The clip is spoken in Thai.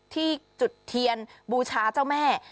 จุดเทียนบูชาเจ้าแม่